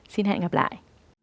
xin hẹn gặp lại